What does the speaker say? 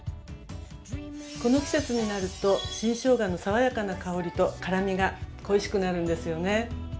この季節になると新しょうがの爽やかな香りと辛みが恋しくなるんですよね。